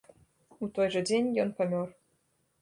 У той жа дзень ён памёр.